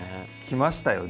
きましたよ